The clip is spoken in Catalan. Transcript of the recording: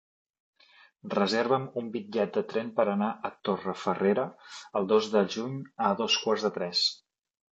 Reserva'm un bitllet de tren per anar a Torrefarrera el dos de juny a dos quarts de tres.